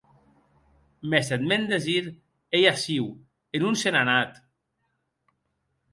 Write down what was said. Mès eth mèn desir ei aciu e non se n’a anat!